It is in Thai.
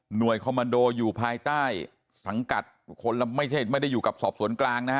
คอมมันโดอยู่ภายใต้สังกัดคนละไม่ใช่ไม่ได้อยู่กับสอบสวนกลางนะฮะ